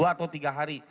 dua atau tiga hari